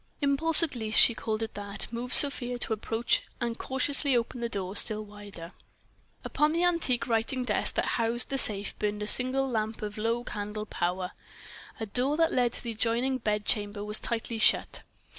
Impulse, at least she called it that, moved Sofia to approach and cautiously open the door still wider. Upon the antique writing desk that housed the safe burned a single lamp of low candle power. A door that led to the adjoining bedchamber was tightly shut.